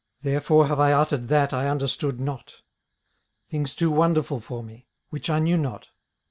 therefore have I uttered that I understood not; things too wonderful for me, which I knew not.